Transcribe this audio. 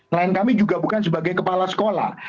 klien kami juga bukan sebagai kepala sekolah